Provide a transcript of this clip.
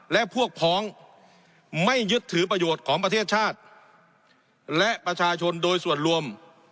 และพวกพ้องไม่ยึดถือประโยชน์ของประเทศชาติและประชาชนโดยส่วนรวม